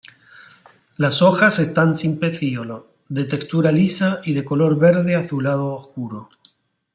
Las hojas están sin pecíolo, de textura lisa y de color verde azulado oscuro.